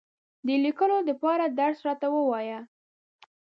د لیکلو دپاره درس راته ووایه !